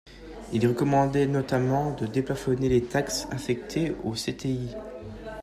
Il recommandait notamment de déplafonner les taxes affectées aux CTI.